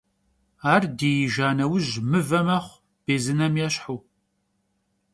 Ar diijja neuj mıve mexhu, bêzınem yêşhu.